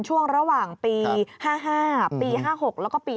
ช่วงระหว่างปี๕๕ปี๕๖แล้วก็ปี๒๕